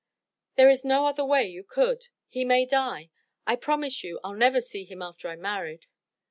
"There is no other way you could. He may die. I promise you I'll never see him after I'm married.